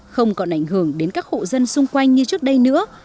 không còn ảnh hưởng đến các hộ dân xung quanh như trước đây nữa